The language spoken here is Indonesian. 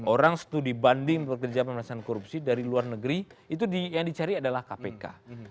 orang studi banding pekerja pemerintahan korupsi dari luar negeri itu yang dicari adalah kpk